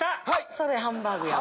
それハンバーグやわ。